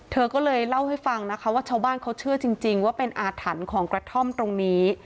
เธอก็เลยเล่าให้ฟังนะคะว่าชาวบ้านเขาเชื่อจริงว่าเป็นอาถรรพ์ของกระท่อมตรงนี้